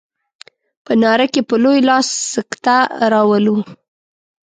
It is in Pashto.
په ناره کې په لوی لاس سکته راولو.